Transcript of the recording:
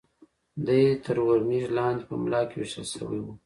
دی تر ور مېږ لاندې په ملا کې وېشتل شوی و.